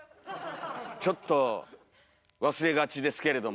ちょっと忘れがちですけれども。